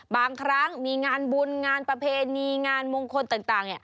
บางครั้งมีงานบุญงานประเพณีงานมงคลต่าง